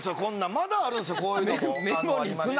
まだあるんすよこういうのもありまして。